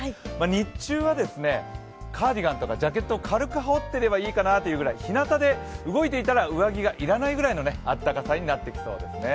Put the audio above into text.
日中はカーディガンとかジャケットを軽く羽織っていればいいかなというくらい日なたで動いていたら上着が要らないぐらいのあったかさになってきそうですね。